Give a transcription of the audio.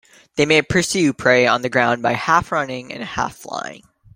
They may pursue prey on the ground by half running and half flying.